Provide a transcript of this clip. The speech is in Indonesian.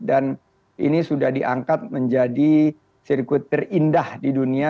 dan ini sudah diangkat menjadi sirkuit terindah di dunia